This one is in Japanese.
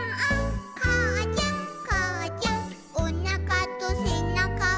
「かあちゃんかあちゃん」「おなかとせなかが」